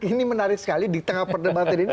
ini menarik sekali di tengah perdebatan ini